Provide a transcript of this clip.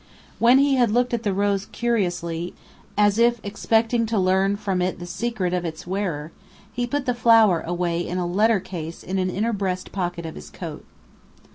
When he had looked at the rose curiously, as if expecting to learn from it the secret of its wearer, he put the flower away in a letter case in an inner breast pocket of his coat.